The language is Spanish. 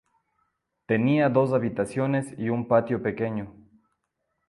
Tenía dos habitaciones y un patio pequeño.